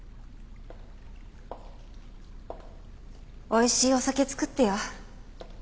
おいしいお酒造ってよ。